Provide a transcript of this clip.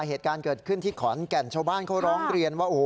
เหตุการณ์เกิดขึ้นที่ขอนแก่นชาวบ้านเขาร้องเรียนว่า